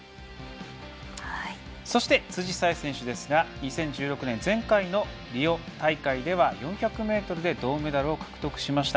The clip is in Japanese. そして辻沙絵選手ですが２０１６年、前回のリオ大会で４００ｍで銅メダルを獲得しました。